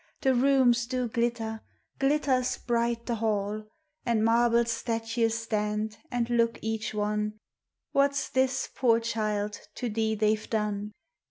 The rooms do glitter, glitters bright the hall, And marble statues stand, and look each one : What \s this, poor child, to thee they *ve done?